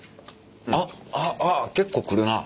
あっあっあっ結構くるな。